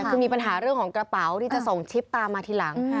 คือมีปัญหาเรื่องของกระเป๋าที่จะส่งชิปตามมาทีหลัง